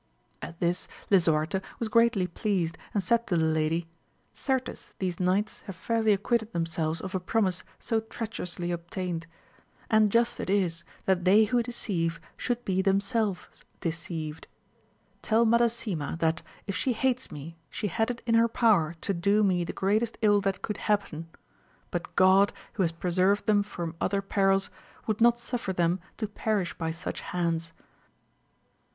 At this Lisuarte was greatly pleased, and said to the lady, Certes these knights have fairly acquitted themselves of a promise so treacher ously obtained, and just it is that they who deceive should be themselves deceived. Tell Madasima, that, if she hates me, she had it in her power to do me the greatest ill that could happen ; but God, who has preserved them from other perils, would not suffer them to perish by such hands.